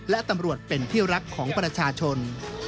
และตำรวจเป็นที่รักของประชาชน